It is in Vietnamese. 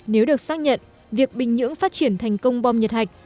nếu được xác nhận việc bình nhưỡng phát triển thành công bom nhật hạch